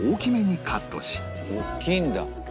大きいんだ。